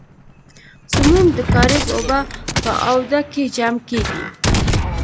زمونږ د کاریز اوبه په آوده کې جمع کیږي.